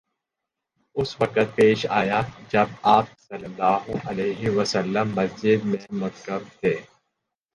اس وقت پیش آیا جب آپ صلی اللہ علیہ وسلم مسجد میں معتکف تھے